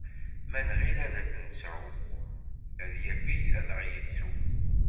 Ma nɣil ad t-nesɛu, ad yafeg ad aɣ-yettu.